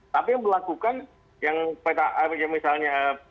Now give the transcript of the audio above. tapi yang melakukan yang misalnya